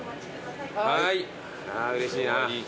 はいあうれしいな。